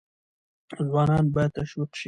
ځوانان باید تشویق شي.